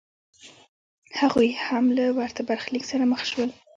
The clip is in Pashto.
هغوی هم له ورته برخلیک سره مخ شول